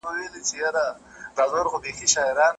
چي هر لوري ته یې واچول لاسونه